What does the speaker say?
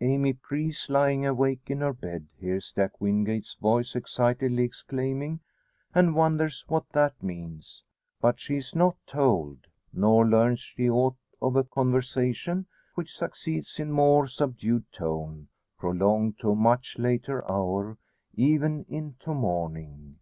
Amy Preece, lying awake in her bed, hears Jack Wingate's voice excitedly exclaiming, and wonders what that means. But she is not told; nor learns she aught of a conversation which succeeds in more subdued tone; prolonged to a much later hour even into morning.